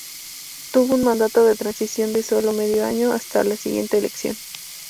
Tuvo un mandato de transición de solo medio año, hasta la siguiente elección.